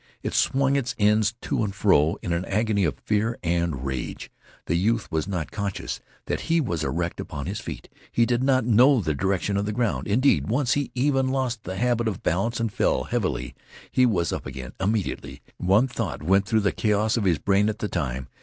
It swung its ends to and fro in an agony of fear and rage. The youth was not conscious that he was erect upon his feet. He did not know the direction of the ground. Indeed, once he even lost the habit of balance and fell heavily. He was up again immediately. One thought went through the chaos of his brain at the time.